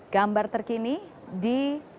gambar terkini di